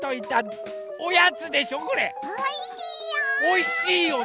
おいしいよ！